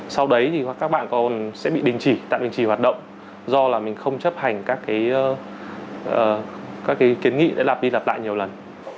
sau đấy thì các bạn còn sẽ bị đình chỉ tạm đình chỉ hoạt động do là mình không chấp hành các kiến nghị đã lặp đi lặp lại nhiều lần